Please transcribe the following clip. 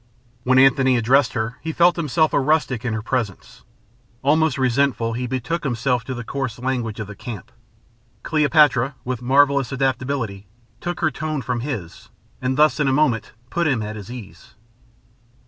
When Antony addressed her he felt himself a rustic in her presence. Almost resentful, he betook himself to the coarse language of the camp. Cleopatra, with marvelous adaptability, took her tone from his, and thus in a moment put him at his ease.